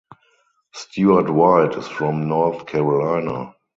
Stuart White is from North Carolina.